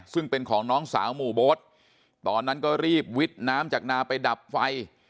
ซึ่งเป็นของน้องสาวหมู่โบ๊ทตอนนั้นก็รีบวิทย์น้ำจากนาไปดับไฟ